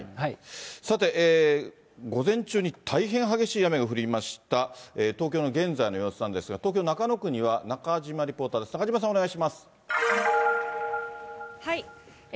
さて、午前中に大変激しい雨が降りました、東京の現在の様子なんですが、東京・中野区には中島リポーターです。